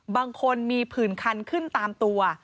บางคนมีผื่นคันขึ้นตามตัว